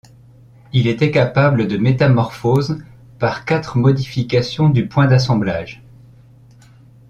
Il était capable de métamorphoses par quatre modifications du point d'assemblage.